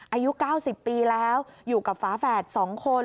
อายุ๙๐ปีแล้วอยู่กับฝาแฝด๒คน